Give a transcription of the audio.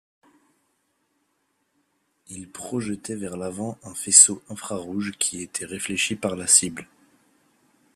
Il projetait vers l’avant un faisceau infrarouge qui était réfléchi par la cible.